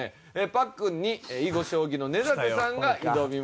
パックンに囲碁将棋の根建さんが挑みます。